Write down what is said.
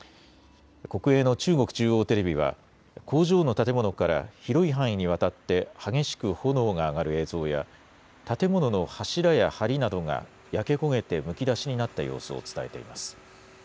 国営の中国中央テレビは、工場の建物から広い範囲にわたって激しく炎が上がる映像や、建物の柱やはりなどが焼け焦げてむき出しになった様子を伝えています。